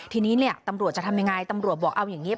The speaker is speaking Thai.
ทีนี้เนี่ยตำรวจจะทำยังไงตำรวจบอกเอาอย่างนี้